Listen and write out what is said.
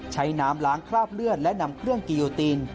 ใช้น้ำล้างคราบเลือดและนำเครื่องกิโยติน